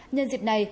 nhân dịp này